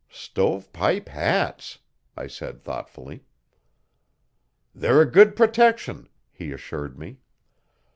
'Stove pipe hats!' I said thoughtfully. 'They're a good protection,' he assured me.